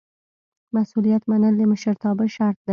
مسؤلیت منل د مشرتابه شرط دی.